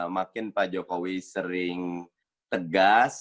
makin pak jokowi sering tegas